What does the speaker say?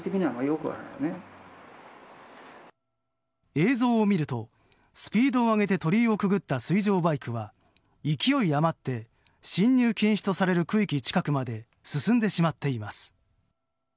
映像を見るとスピードを上げて鳥居をくぐった水上バイクは勢い余って進入禁止とされる区域近くまで進んでしまっています。